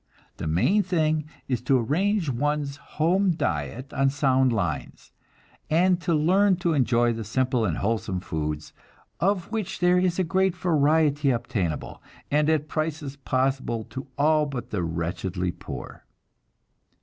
The main thing is to arrange one's home diet on sound lines, and learn to enjoy the simple and wholesome foods, of which there is a great variety obtainable, and at prices possible to all but the wretchedly poor.